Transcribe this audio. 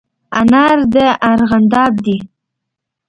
انار په د ارغانداب دي